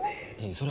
それ